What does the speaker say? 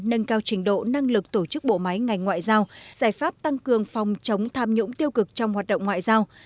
nâng cao trình độ năng lực tổ chức bộ máy ngành ngoại giao giải pháp tăng cường phòng chống tham nhũng tiêu cực trong hoạt động ngoại giao